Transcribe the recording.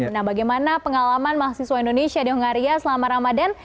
nah bagaimana pengalaman mahasiswa indonesia di hongaria selama ramadan